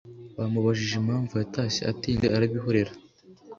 Bamubajije impamvu yatashye atinze arabihorera